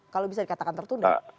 kalau bisa dikatakan tertunda